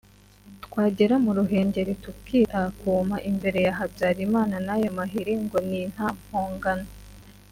twagera mu Ruhengeli tukitakuma imbere ya Habyalimana n’ ayo mahiri ngo ni nta mpongano